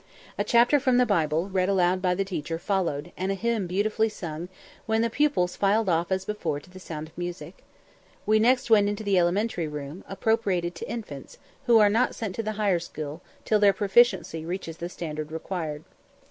A chapter from the Bible, read aloud by the teacher, followed, and a hymn beautifully sung, when the pupils filed off as before to the sound of music. We next went to the elementary room, appropriated to infants, who are not sent to the higher school till their proficiency reaches the standard required.